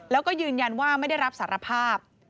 แล้วก็ยืนยันว่าไม่ได้รับสารภาพ